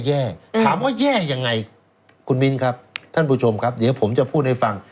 แย่ถามว่าแย่ยังไงคุณมิ้นครับท่านผู้ชมครับเดี๋ยวผมจะพูดให้ฟัง